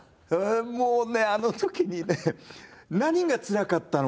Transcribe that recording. もうねあのときにね何がつらかったのかって。